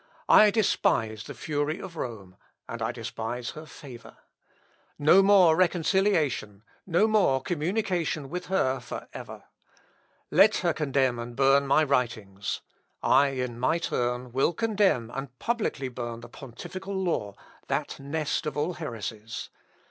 "I despise the fury of Rome, and I despise her favour. No more reconciliation, nor more communication with her for ever. Let her condemn and burn my writings! I, in my turn, will condemn and publicly burn the pontifical law, that nest of all heresies.